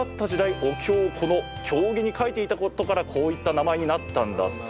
お経をこの経木に書いていたことからこういった名前になったんだそう。